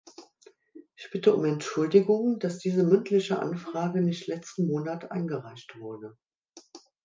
Ich bitte um Entschuldigung, dass diese mündliche Anfrage nicht letzten Monat eingereicht wurde.